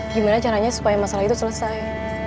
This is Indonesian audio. gimana caranya supaya masalah itu selesai